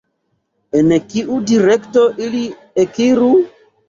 En kiu direkto ili ekiru?